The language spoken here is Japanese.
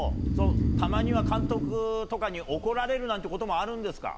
たまには監督とかに怒られるなんてこともあるんですか？